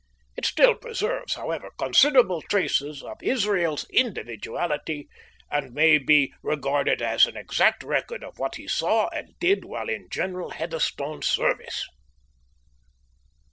It still preserves, however, considerable traces of Israel's individuality, and may be regarded as an exact record of what he saw and did while in General Heatherstone's service.